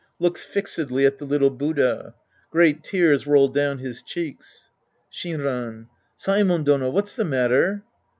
{Looks fixedly at the little Buddha. Great tears roll doivn his cheeks.) Shinran. Saemon Dono, what's the matter